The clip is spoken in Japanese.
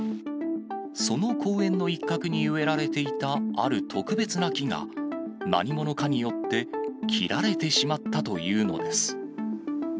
その公園の一角に植えられていたある特別な木が、何者かによって切られてしまったというのです。